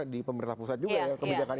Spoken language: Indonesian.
di pemerintah pusat juga ya kebijakan